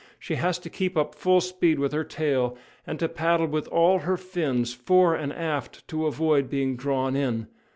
She has to keep up full speed with her tail, and to paddle with all her fins, fore and aft, to avoid being drawn in.